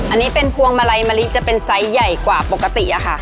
อันนี้เป็นพวงมาลัยมะลิจะเป็นไซส์ใหญ่กว่าปกติอะค่ะ